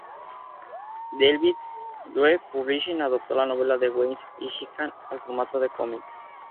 Devils Due Publishing adaptó la novela de Weis y Hickman al formato de cómic.